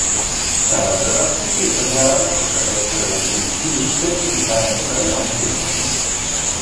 Tra i maggiori artisti Chagall potrebbe essere il più specificamente ebreo nei suoi temi.